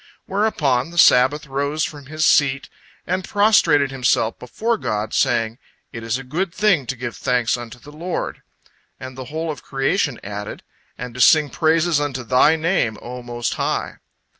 Thereupon the Sabbath rose from his seat, and prostrated himself before God, saying, "It is a good thing to give thanks unto the Lord," and the whole of creation added, "And to sing praises unto Thy Name, O Most High!"